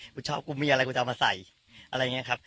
ชอบกูมีอะไรกูจะเอามาใส่อะไรอย่างนี้ครับ